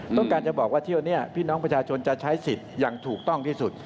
ต้องการจะบอกว่าเที่ยวนี้พี่น้องประชาชนจะใช้สิทธิ์อย่างถูกต้องที่สุด